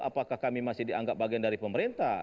apakah kami masih dianggap bagian dari pemerintah